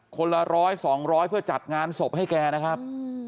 คนละร้อยสองร้อยเพื่อจัดงานศพให้แกนะครับ